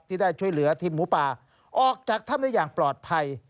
ได้ช่วยเหลือทีมหมูป่าออกจากถ้ำได้อย่างปลอดภัย